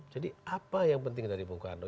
jadi apa yang penting dari bung karno